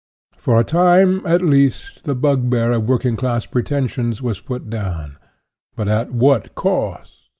For a time, at least, the bugbear of work ing class pretensions was put down, but at what cost!